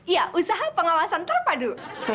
iya usaha pengawasan terpadu